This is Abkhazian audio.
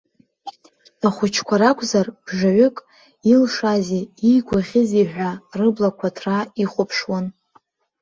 Ахәыҷқәа ракәзар, бжаҩык, илшазеи, иигәаӷьызеи ҳәа рыблақәа ҭраа ихәаԥшуан.